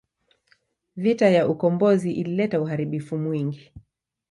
Vita ya ukombozi ilileta uharibifu mwingi.